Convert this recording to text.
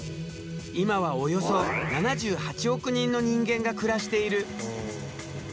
今はおよそ７８億人の人間が暮らしている。